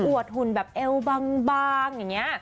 วดหุ่นแบบเอวบางอย่างนี้